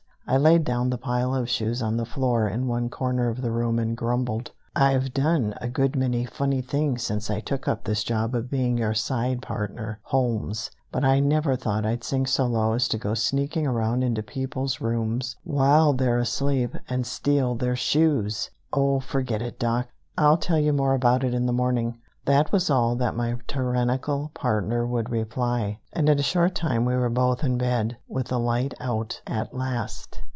I laid down the pile of shoes on the floor in one corner of the room, and grumbled: "I've done a good many funny things since I took up this job of being your side partner, Holmes, but I never thought I'd sink so low as to go sneaking around into people's rooms while they're asleep and steal their shoes!" "Oh, forget it, Doc. I'll tell you more about it in the morning," was all that my tyrannical partner would reply. And in a short time we were both in bed, with the light out, at last.